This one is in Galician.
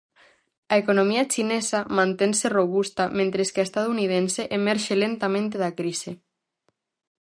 A economía chinesa mantense robusta mentres que a estadounidense emerxe lentamente da crise.